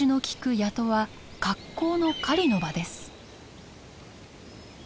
谷戸は格好の狩りの場です。